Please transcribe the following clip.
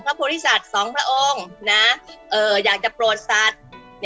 พระพุทธิสัตว์๒พระองค์อยากจะโปรดสัตว์